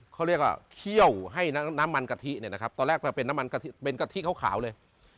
เขาเรียกว่าเคี่ยวให้น้ำมันกะทิเนี่ยนะครับตอนแรกมาเป็นน้ำมันกะทิเป็นกะทิขาวเลย